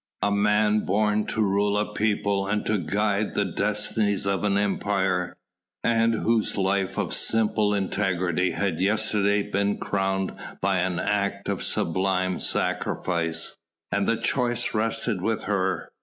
A man born to rule a people and to guide the destinies of an empire, and whose life of simple integrity had yesterday been crowned by an act of sublime sacrifice. And the choice rested with her.